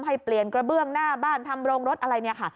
ให้เปลี่ยนกระเบื้องหน้าบ้านทำโรงรถอะไรเนี่ยค่ะ